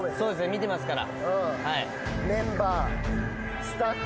見てますから。